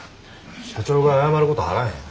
社長が謝ることあらへん。